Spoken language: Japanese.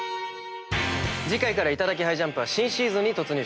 次回から『いただきハイジャンプ』は新シーズンに突入します。